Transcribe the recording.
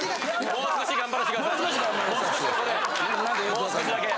もう少しだけ。